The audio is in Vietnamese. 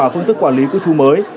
và phương tức quản lý cư trú mới